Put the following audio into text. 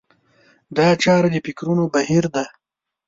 دا چاره د فکرونو بهير دی.